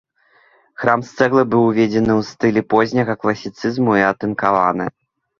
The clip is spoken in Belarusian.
Храм з цэглы быў узведзены ў стылі позняга класіцызму і атынкаваны.